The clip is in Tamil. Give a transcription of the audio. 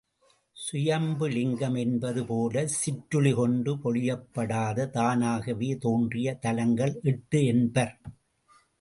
சுயம்பு லிங்கம் என்பது போல, சிற்றுளி கொண்டு பொழியப்படாது தானாகவே தோன்றிய தலங்கள் எட்டு என்பர்.